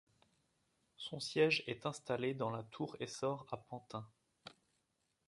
Son siège est installé dans la tour Essor à Pantin.